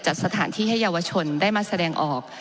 จัดสถานที่ให้เยาวชนได้มาแสดงออก